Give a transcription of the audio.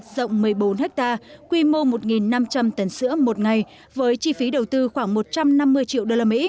rộng một mươi bốn ha quy mô một năm trăm linh tấn sữa một ngày với chi phí đầu tư khoảng một trăm năm mươi triệu usd